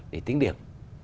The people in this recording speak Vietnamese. để tính điểm